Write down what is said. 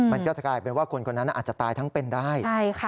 มันก็จะกลายเป็นว่าคนคนนั้นอาจจะตายทั้งเป็นได้